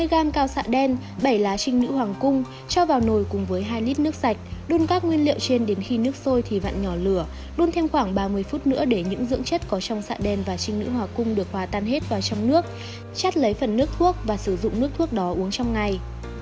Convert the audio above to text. hai mươi gam cao xạ đen bảy lá trinh nữ hoàng cung cho vào nồi cùng với hai lít nước sạch đun các nguyên liệu trên đến khi nước sôi thì vặn nhỏ lửa đun thêm khoảng ba mươi phút nữa để những dưỡng chất có trong xạ đen và trinh nữ hòa cung được hòa tan hết vào trong nước chắt lấy phần nước thuốc và sử dụng nước thuốc đó uống trong ngày